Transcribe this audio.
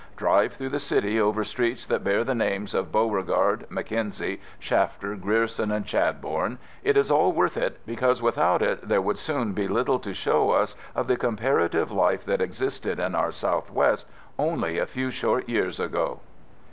Drive through the City over streets that bear the names of Beauregard, Mackenzie, Shafter, Grierson and Chadbourne. It is all worth it, because without it, there would soon be little to show us of the comparative life that existed in our Southwest only a few short years ago.